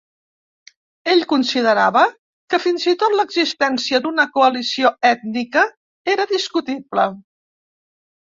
Ell considerava que fins i tot l'existència d'una coalició ètnica era discutible.